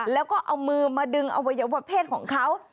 แล้วก็เอามือมาดึงอวัยวะเพศของเขา